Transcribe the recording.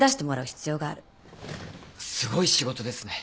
すごい仕事ですね